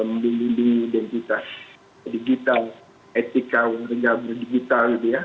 memimpin identitas digital etika warga berdigital